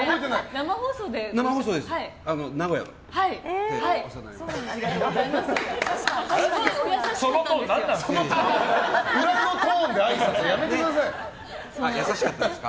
生放送です。